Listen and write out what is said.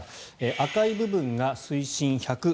赤い部分が水深１１０ｍ